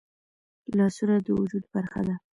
لاسونه د وجود برخه ده